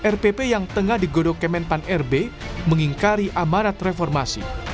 rpp yang tengah digodok kemenpan rb mengingkari amanat reformasi